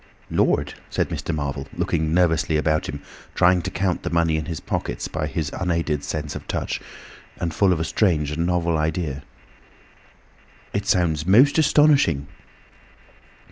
"Lord!" said Mr. Marvel, looking nervously about him, trying to count the money in his pockets by his unaided sense of touch, and full of a strange and novel idea. "It sounds most astonishing."